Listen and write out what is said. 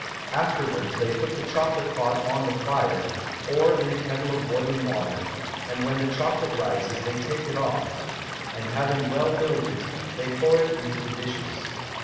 Afterwards they put the Chocolate Pot on the Fire, or in a Kettle of boiling Water; and when the Chocolate rises, they take it off, and having well mill'd it, they pour it into the Dishes.